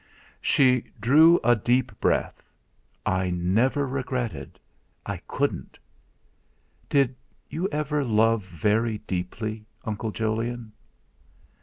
She drew a deep breath. "I never regretted I couldn't. Did you ever love very deeply, Uncle Jolyon?"